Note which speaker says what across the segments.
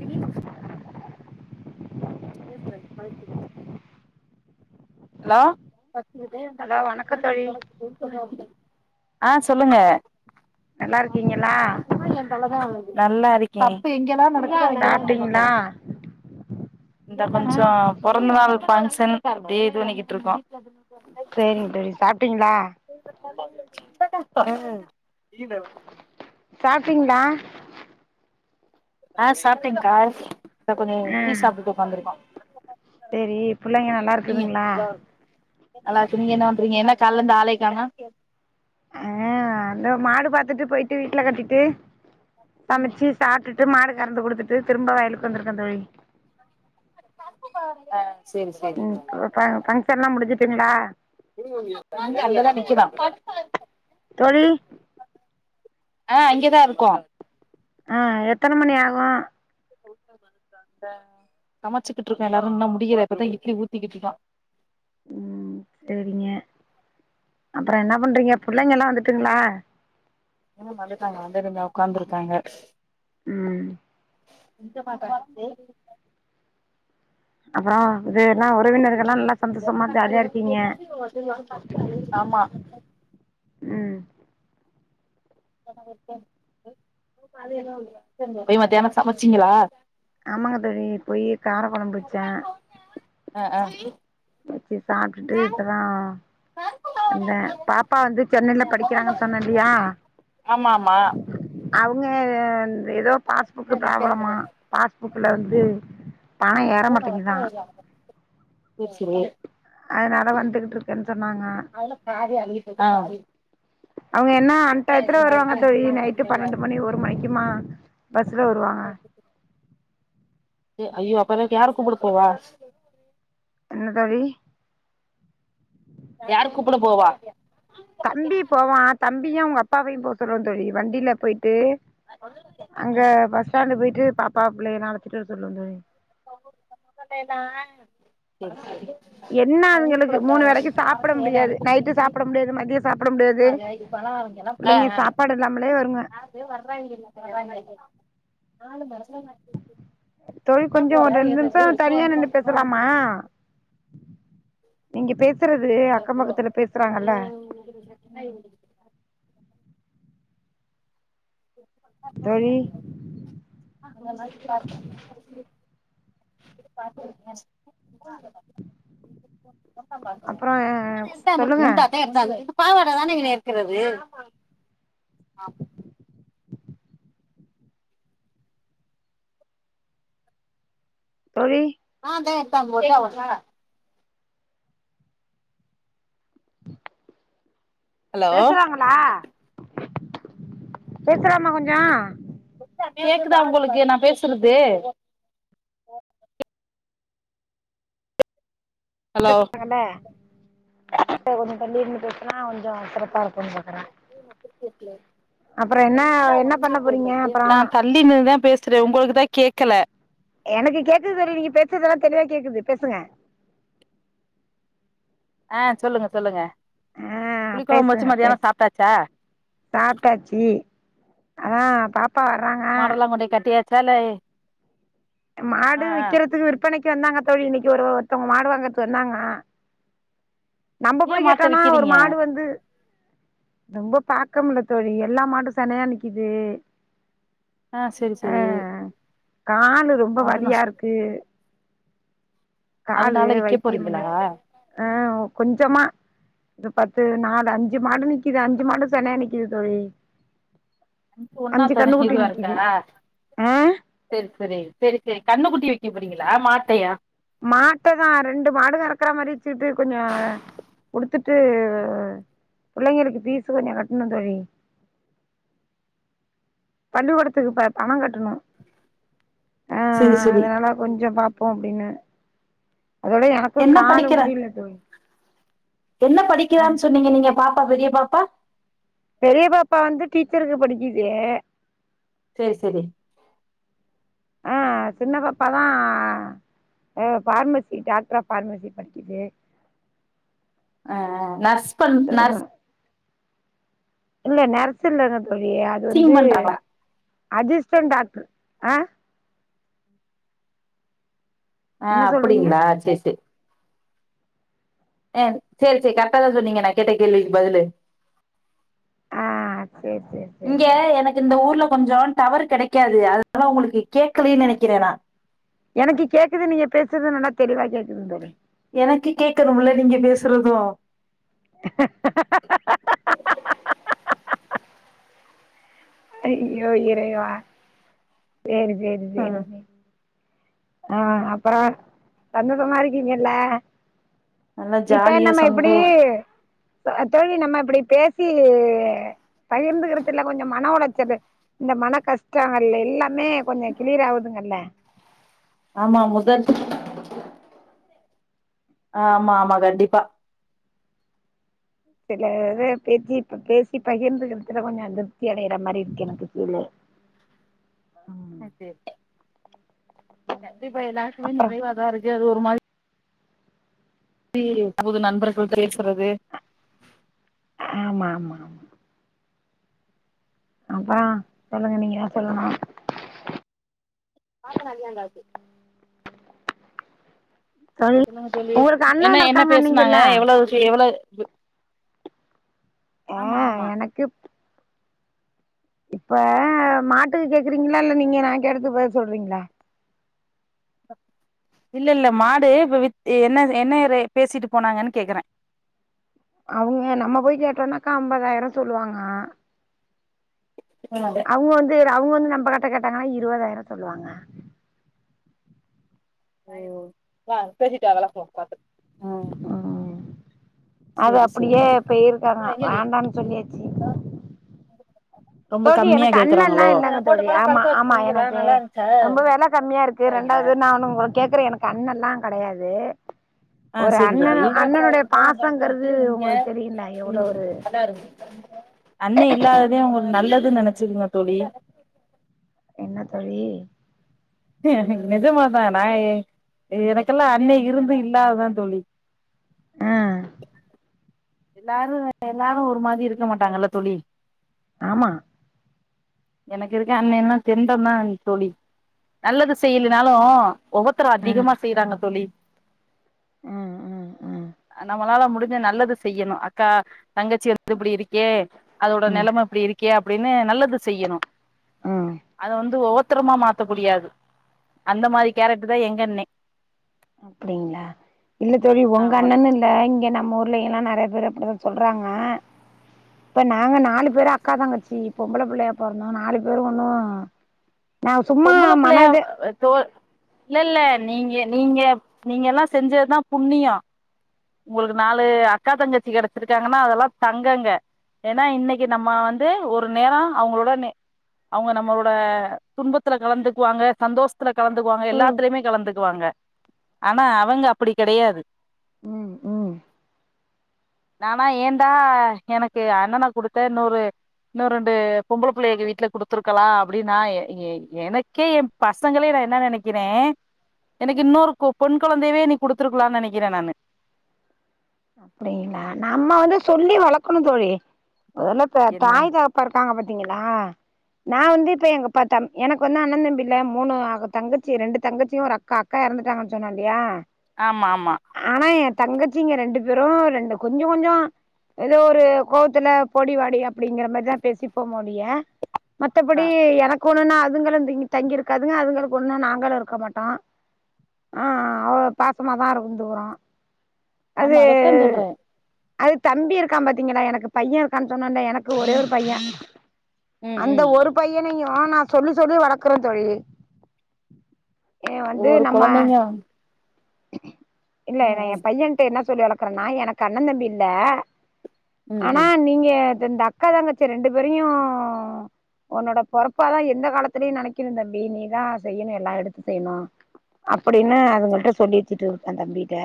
Speaker 1: ரினி hello [inaudible]
Speaker 2: hello வணக்க தோழி
Speaker 1: ஆ சொல்லுங்க
Speaker 2: நல்லா இருக்கீங்களா
Speaker 1: நல்லா இருக்கே
Speaker 2: சாப்ட்டீங்களா
Speaker 1: இந்த கொஞ்சம் பொறந்த நாள் பங்க்ஷன் அப்டியே இது பண்ணிக்கிட்டு இருக்கோ
Speaker 2: செரிங்க தோழி சாப்பிட்டீங்களா
Speaker 1: ஆ
Speaker 2: சாப்பிட்டீங்களா
Speaker 1: ஆ சாப்ட்டேங்க்கா இந்த கொஞ்சம் டீ சாப்ட்டுட்டு உக்காந்துருக்கோ
Speaker 2: செரி பிள்ளைங்க நல்லா இருக்குதுங்களா
Speaker 1: நல்லாக்கு நீங்க என்ன பண்றீங்க என்ன கால்ல இருந்து ஆலே கானோ
Speaker 2: ஆ இந்த மாடு பாத்துட்டு போயிட்டு வீட்ல கட்டிட்டு சமச்சு சாப்ட்டுட்டு மாடு கறந்து கொடுத்துட்டு திரும்ப வயலுக்கு வந்திருக்க தோழி
Speaker 1: ஆ செரி செரி
Speaker 2: ம் ஃபங்க்ஷன்லா முடிஞ்ட்டீங்களா
Speaker 1: நாங்க அங்கதா நிக்கிதா
Speaker 2: தோழி
Speaker 1: ஆ இங்கதான் இருக்கோ
Speaker 2: ஆ எத்தன மணி ஆகு
Speaker 1: சமச்சுக்கிட்டு இருக்கோ எல்லாரு இன்ன முடியல இப்பதா இட்லி ஊத்திக்கிட்ருக்கோ
Speaker 2: ம் சேரிங்க அப்பறோ என்னா பண்றீங்க புள்ளைங்கல்லா வந்துட்டுங்களா
Speaker 1: ம் வந்திட்டாங்க அந்த ரூம்ல உக்காந்துருக்காங்க
Speaker 2: ம்
Speaker 1: [unintelligible]
Speaker 2: அப்பறோ இது என்னா உறவினர்ஹெல்லா நல்லா சந்தோஷமா ஜாலியா இருக்கீங்க
Speaker 1: ஆமா
Speaker 2: ம்
Speaker 1: போய் மதியானோ சமச்சிங்களா
Speaker 2: ஆமாங்க தோழி போயி கார கொழம்பு வெச்ச
Speaker 1: ஆ ஆ
Speaker 2: வச்சி சாப்ட்டுட்டு இப்பதா வந்த பாப்பா வந்து சென்னைல படிக்கிறாங்கன்னு சொன்ன இல்லியா
Speaker 1: ஆமா ஆமா
Speaker 2: அவுங்க என் ஏதோ பாஸ்புக் ப்ராபளமா பாஸ்புக்குல வந்து பணோ ஏற மாட்டேங்குதா
Speaker 1: பேசுறிங்க
Speaker 2: அதனால வந்துகிட்டு இருக்கன்னு சொன்னாங்க
Speaker 1: ஆ
Speaker 2: அவுங்க என்னா அன்டயத்துல வருவாங்க தோழி நைட்டு பன்னெண்டு மணி ஒரு மணிக்குமா பஸ்ல வருவாங்க
Speaker 1: அய்யோ அப்பனா யாரு கூப்புட போவா
Speaker 2: என்ன தோழி
Speaker 1: யாரு கூப்புட போவா
Speaker 2: தம்பி போவா தம்பியு அவுங்க அப்பாவையு போ சொல்லுவ தோழி வண்டியில பெயிட்டு அங்க பஸ் ஸ்டாண்டு போயிட்டு பாப்பா புள்ளைங்கலா அழச்சிட்டு வர சொல்லுங்க
Speaker 1: [unintelligible]
Speaker 2: என்ன அதுங்களுக்கு மூணு வேலைக்கு சாப்ட முடியாது நைட்டு சாப்ட முடியாது மதியோ சாப்ட முடியாது புள்ளைங்க சாப்பாடு இல்லாமலே வருங்க
Speaker 1: [unintelligible] வர்றாங்கள வர்றாங்கள
Speaker 2: தோழி கொஞ்சோ ஒரு ரெண்டு நிமிஷோ தனியா நின்னு பேசலாமா நீங்க பேசுறது அக்கோ பக்கத்துல பேசுறாங்கல்ல
Speaker 1: [inaudible] [unintelligible] [inaudible] [unintelligible]
Speaker 2: தோழி அப்புறோ சொல்லுங்க
Speaker 1: இது பாவாடைதானே இருக்குறது
Speaker 2: தோழி
Speaker 1: ஆ தா தே ஒர்க் ஒர்ஷ ஹலோ
Speaker 2: பேசுறாங்களா பேசுலாமா கொஞ்சோ
Speaker 1: கேக்குதா ஒங்களுக்கு நா பேசுறது ஹலோ
Speaker 2: பக்கத்துல இருக்காங்கல்ல கொஞ்சோ தள்ளி நின்னு பேசுனா கொஞ்சோ சிறப்பா இருக்குனு பாக்குற அப்பறோ என்னா என்னா பண்ண போறீங்க அப்பறோ
Speaker 1: நா தள்ளி நின்னுதா பேசுற ஒங்களுக்குதா கேக்கல
Speaker 2: எனக்கு கேக்குது தோழி நீங்க பேசுரதெல்லா தெளிவா கேக்குது பேசுங்க
Speaker 1: ஆ சொல்லுங்க சொல்லுங்க
Speaker 2: ஆ
Speaker 1: புளிக்கொழம்பு வச்சு
Speaker 2: பேசுங்க
Speaker 1: மதியான
Speaker 2: பேசு
Speaker 1: சாப்ட்டாச்சா
Speaker 2: சாப்டாச்சு அதா பா ப்பா வறாங்க
Speaker 1: மாடெல்லா கொண்டி கட்டியாச்சா இல்லே
Speaker 2: மாடு விக்கறதுக்கு விற்பனைக்கு வந்தாங்க தோழி இன்னைக்கு ஒரு ஒருத்தவங்க மாடு வாங்கறதுக்கு வந்தாங்க நம்ம
Speaker 1: ஏ
Speaker 2: போய்
Speaker 1: மாட்ட
Speaker 2: கேட்டோனா ஒரு
Speaker 1: விக்கிறீங்க
Speaker 2: மாடு வந்து ரொம்ப பாக்க முடில தோழி எல்லா மாடு செனையா நிக்கிது
Speaker 1: ஆ சேரி சேரி
Speaker 2: ஆ காலு ரொம்ப
Speaker 1: அதுனா
Speaker 2: வலியா இருக்கு காலு
Speaker 1: அதனால விக்க
Speaker 2: வைத்தியம்
Speaker 1: போறீங்களா
Speaker 2: பண்ணிக்க ஆ கொஞ்சமா இது பத்து நாலு அஞ்சு மாடு நிக்குது அஞ்சு மாடு செனையா நிக்குது தோழி
Speaker 1: ஒன்னா
Speaker 2: அஞ்சு கண்ணு குட்டி
Speaker 1: இது
Speaker 2: நிக்குது
Speaker 1: இருக்கா
Speaker 2: ஆ
Speaker 1: செரி செரி செரி செரி கண்ணு குட்டி விக்க போறீங்களா மாட்டையா
Speaker 2: மாட்ட தா ரெண்டு மாடு கறக்கிற மாரி வச்சிட்டு கொஞ்சோ கொடுத்துட்டு புள்ளைங்களுக்கு பீஸ் கொஞ்சோ கட்டணு தோழி பள்ளிக்கூடத்துக்கு ப பணம் கட்டணு ஆ
Speaker 1: சேரி சேரி
Speaker 2: அதா கொஞ்சோ பாப்போ அப்டின்னு அதோட எனக்கு
Speaker 1: என்ன
Speaker 2: காலு
Speaker 1: படிக்கிறா
Speaker 2: முடியல தோழி
Speaker 1: என்ன
Speaker 2: ஆ
Speaker 1: படிக்கிறானு சொன்னீங்க நீங்க பாப்பா பெரிய பாப்பா
Speaker 2: பெரிய பாப்பா வந்து டீச்சருக்கு படிக்குது
Speaker 1: செரி செரி
Speaker 2: ஆ சின்ன பாப்பாதா ஆ ஃபார்மசி டாக்டர் ஆஃப் ஃபார்மசி படிக்கிது
Speaker 1: ஆ ஆ நர்ஸ் பண்
Speaker 2: ஆ இல்ல நர்ஸ் இல்லங்க தோழி அ து
Speaker 1: நர்சிங்
Speaker 2: வந்து
Speaker 1: பண்றாங்களா
Speaker 2: அஞிஸ்டன் டாக்டர் ஆ
Speaker 1: ஆ
Speaker 2: என்ன சொல்றீங்க
Speaker 1: அப்டிங்களா சேரி சேரி ஆ சேரி சேரி கரெக்டா தா சொன்னீங்க நா கேட்ட கேள்விக்கு பதிலு
Speaker 2: ஆ சேரி சேரி சேரி
Speaker 1: இங்க எனக் இந்த ஊர்ல கொஞ்சோ டவர் கிடைக்காது அதனால்லா உங்களுக்கு கேட்கலன்னு நெனைக்கிறே நா
Speaker 2: எனக்கு கேக்குது நீங்க பேசுறது நல்லா தெளிவா கேக்குதுன்னு தோழி
Speaker 1: எனக்கு கேட்கணும்ல நீங்க பேசுறது
Speaker 2: [unintelligible] ஐயோ இறைவா சேரி சேரி சேரி
Speaker 1: ம்
Speaker 2: சேரி ஆ அப்றோ சந்தோசமா இருக்கீங்கல்ல
Speaker 1: நல்லா
Speaker 2: இப்ப
Speaker 1: ஜாலியா
Speaker 2: நம்ம இப்டி
Speaker 1: சந்தோ
Speaker 2: தோழி நம்ம இப்டி பேசி பகிர்ந்துக்கிறதுல கொஞ்சோ மன உளைச்சலு இந்த மனகஷ்டம் இல்ல எல்லா மே கொஞ்சோ கிளியர் ஆவுதுங்கல்ல
Speaker 1: ஆமா முதர்த் ஆமா ஆமா கண்டிப்பா
Speaker 2: சிலது பேச்சி பேசி பகிர்ந்துக்கிறதுல கொஞ்சோ திருப்தி அடையற மாரி இருக்கு எனக்கு ஃபிலு [inaudible]
Speaker 1: அ சேரி கண்டிப்பா எல்லாருக்குமே
Speaker 2: அப்புறோ
Speaker 1: நிறைவாதா இருக்கு அது ஒரு மாரி அப்டி தனது நண்பர்கள் பேசறது
Speaker 2: ஆமா ஆமா ஆமா அப்றோ சொல்லுங்க நீங்க தா சொல்லனு
Speaker 1: பாத்த நல்லாற்காது
Speaker 2: தோழி
Speaker 1: சொல்லங்க தோழி
Speaker 2: உங்களுக்கு அண்ணன்
Speaker 1: என்ன என்ன பேசுனாங்க
Speaker 2: இருக்காங்கன்னீங்கல்ல
Speaker 1: எவ்ளவு க்கு எவ்ளவு
Speaker 2: எப் இப்ப மாட்டுக்கு கேக்குறீங்களா இல்ல நீங்க நான் கேட்டத்துக்கு பதில் சொல்றீங்ளா
Speaker 1: இல்ல இல்ல மாடு இப்ப வித் என்ன என்ன ரே பேசிட்டு போனாங்கன்னு கேக்குறேன்
Speaker 2: அவுங்க நம்ம போய் கேட்டோம்னாக்கா ஐம்பதாயிரோ சொல்வாங்க
Speaker 1: எத்தன நாளு
Speaker 2: அவுங்க வந்து அவுங்க வந்து நம்ம கிட்ட கேட்டாங்னா இருவதாயிரோ சொல்லுவாங்க
Speaker 1: ஐயோ ஸ்பெரி டெவலெப் [unintelligible]
Speaker 2: ம் அது
Speaker 1: சேரி
Speaker 2: அப்படியே போயிருக்காங்க வேண்டாம்னு சொல்லியாச்சி
Speaker 1: [inaudible] ரொம்ப
Speaker 2: தோழி
Speaker 1: கம்மியா
Speaker 2: எனக்கு அண்ணல்லா
Speaker 1: கேக்குறாங்களோ
Speaker 2: இல்லைங்க
Speaker 1: அமௌண்ட்
Speaker 2: தோழி
Speaker 1: பழம்
Speaker 2: ஆமா
Speaker 1: பழுக்க வச்ச
Speaker 2: ஆமா
Speaker 1: தின்னீங்களா
Speaker 2: எனக்கு
Speaker 1: நல்லா இருந்துச்சா
Speaker 2: ரொம்ப வெல கம்மியா இருக்கு க்கு ரெண்டாது நா ஒன்னு உங்கள கேக்குறே எனக்கு அண்ணல்லா கெடையாது
Speaker 1: ஆ
Speaker 2: ஒரு
Speaker 1: சேரி
Speaker 2: அண்ணன் அண்ணனுடைய பாசங்கிறது
Speaker 1: தோழி
Speaker 2: உங்களுக்கு தெரியுல எவ்ளோ ஒரு [inaudible]
Speaker 1: அண்ணே இல்லாததே உங்களுக்கு நல்லது நெனைச்சிக்கீங்க தோழி
Speaker 2: என்ன தோழி
Speaker 1: நிஜமாதா நா எனக்கெல்லா அண்ண இருந்து இல்லாதுதா தோழி
Speaker 2: ஆ
Speaker 1: எல்லாரு எல்லாரு ஒரு மாரி இருக்க மாட்டாங்கல்ல தோழி
Speaker 2: ஆமா
Speaker 1: எனக்கு இருக்க அண்ண எல்லா தெண்டோ தா தோழி நல்லது செய்யலனாலு ஒவத்தரோ
Speaker 2: ஆ
Speaker 1: அதிகமா செய்யறாங்க தோழி
Speaker 2: ஆ ஆ ஆ
Speaker 1: நம்மளால முடிஞ் ச நல்லது செய்யணு அக்கா தங்கச்சி வந்து இப்டி இருக்கே அதோட
Speaker 2: ம்
Speaker 1: நெலம இப்டி இருக் கே அப்டினு நல்லது செய்யணு
Speaker 2: ஆ
Speaker 1: அத வந்து ஒவத்துரமா மாத்த குடியாது அந்த மாரி கேரக்டர்தா எங்க அண்ணே
Speaker 2: அப்டிங்ளா இல்ல தோழி உங்க
Speaker 1: ஆமா
Speaker 2: அண்ணனு இல்ல இங்கே நம்ப ஊர்லையில்லா நறைய பேர் அப்டிதா சொல்றாங்க இப்ப நாங்க நாலு பேரு அக்கா தங்கச்சி பொம்ளப்புள்ளையா பொறந்தோ நாலு பேரோ ஒன்னு நா சும்மா
Speaker 1: பொம்ளப்புள்ளையா
Speaker 2: மனது
Speaker 1: அ தோ இல்லல்ல நீங்க நீங்க நீங்கல்லா செஞ்சதுதா புண்ணியோ உங்ளுக்கு நாலு அக்கா தங்கச்சி கெடச்சிருக்காங்னா அதெல்லா தங்கங்க ஏனா இன்னிக்கு நம்ம வந்து ஒரு நேரோ அவுங்ளோடனை அவுங்க நம்ளோட துன்பத்துல கலந்துக்குவாங்க சந்தோஷ் துல கலந்துக்குவாங்க
Speaker 2: ம்
Speaker 1: எல்லாத்துலேமே கலந்துக்குவாங்க ஆனா அவுங்க அப்டி கெடையாது
Speaker 2: ம் ம்
Speaker 1: நானா ஏன்டா எனக்கு அண்ணன குடுத்த இன்னொரு இன்னோ ரெண்டு பொம்ள புள்ளைய எங்க வீட்ல குடுத்திருக்லா அப்டினா எ எ எனக்கே எ பசங்ளே நா என்ன நெனைக்கிறே எனுக்கு இன்னொரு பொண் கொழந்தையவே நீ குடுத்துருக்லான் நெனைக்றே நானு
Speaker 2: அப்டிங்ளா நம்ம வந்து சொல்லி வளக்குணு தோழி அதெல்லா தா
Speaker 1: என்ன
Speaker 2: தாய் தகப் பொறப்பாங்க பாத்தீங்ளா நா வந்து இப்ப எங்கப்ப தம் எனக்கு வந்து அண்ணெண் தம்பில்ல மூணு ஆக தங்கச்சி ரெண்டு தங்கச்சியு ஒரு அக்கா க்கா எறந்துட்டாங்கன் சொன்னே இல்லியா
Speaker 1: ஆமா ஆமா
Speaker 2: ஆனா எ தங்கச்சிங்க ரெண்டு பேரோ ரெண்டு கொஞ்சோ கொஞ்சோ ஏதோ ஒரு கோவத்துல போடி வாடி அப்டிங்கற மாரிதா பேசிப்போம ஒழிய மத்தபடி
Speaker 1: ஆ
Speaker 2: எனக்கு ஒண்ணுனா அதுங்களு இந்த இங்க தங்கி இருக்காதுங்க அதுங்களுக்கு ஒண்ணுனா நாங்களு இருக்க மாட்டோ ஆ அவ்ளோ பாசமா தா இர்ந்துகிறோ
Speaker 1: ஆமா அதத்தா சொல்ற
Speaker 2: அது தம்பி இருக்கான் பாத்தீங்களா எனக்கு பையயிருக்கான் சொன்னேல்ல எனக்கு ஒரே ஒரு பைய
Speaker 1: ம்
Speaker 2: அந்த
Speaker 1: ம்
Speaker 2: ஒரு பையனையோ நா சொல்லி சொல்லி வளக்றே தோழி ஏ வந்து
Speaker 1: ஒரு
Speaker 2: நம்ம
Speaker 1: கொழந்தைங்க
Speaker 2: இல்ல
Speaker 1: ம்
Speaker 2: நா எ
Speaker 1: ம்
Speaker 2: பையன்ட்டே என்ன சொல்லி வளக்றன்னா எனக்கு அண்ணன் தம்பி இல்ல
Speaker 1: ம்
Speaker 2: ஆனா
Speaker 1: ம்
Speaker 2: நீங்க தந்த அக்கா தங்கச்சி ரெண்டு பேரயு ஒன்னோட பொறப்பாதா எந்த காலத்துலேயு நெனைக்ணு தம்பி நீதா செய்யணு எல்லா எடுத்து செய்யுணு அப்படினு அதுங்கள்ட்ட சொல்லி வெச்சுட்ருக்க தம்பீட்ட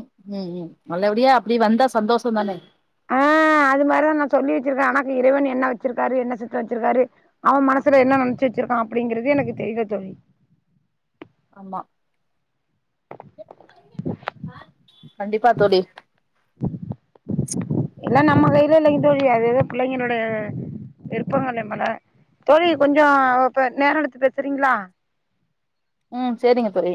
Speaker 1: உம் உ உம் நல்லபடியா அப்டி வந்தா சந்தோஷோந்தானே
Speaker 2: ஆ அது மார்தா நா சொல்லி வெச்சிருக்க ஆனா க்கு இறைவன் என்ன வெச்சிருக்காரு என்ன சித்தொ வெச்சிருக்காரு அவ மனசுல என்ன நென்ச்சு வெச்சிருகான் அப்டிங்கிறது எனக்கு தெரில தோழி
Speaker 1: ஆமா கண்டிப்பா தோழி
Speaker 2: எல்லா நம்ம கைல இல்லைங்க தோழி அது அது பிள்ளைங்களுடைய விருப்பங்கள மேல தோழி கொஞ்சோ ஒ ப நேரோ எடுத்து பேசுறீங்ளா
Speaker 1: ம் சேரிங்க தோழி